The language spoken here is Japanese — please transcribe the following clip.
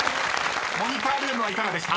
［モニタールームはいかがでした？］